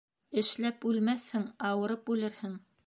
Эшләп үлмәҫһең, ауырып үлерһең.